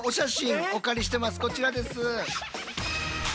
こちらです。